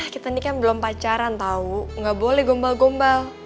kita nih kan belum pacaran tau gak boleh gombal gombal